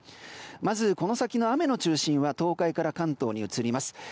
まずこの先の雨の中心は東海から関東に移ります。